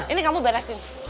ini kamu barasin